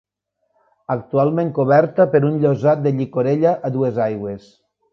Actualment coberta per un llosat de llicorella a dues aigües.